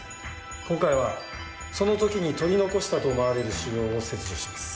今回はその時に取り残したと思われる腫瘍を切除します。